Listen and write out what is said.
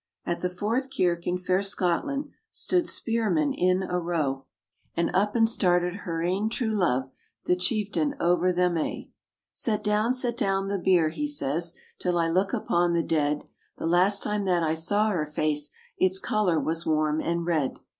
At the fourth kirk in fair Scotland Stood spearmen in a row; RAINBOW GOLD And up and started her ain true love, The chieftain over them a'. "Set down, set down the bier," he says, 'Till I look upon the dead; The last time that I saw her face, Its color was warm and red."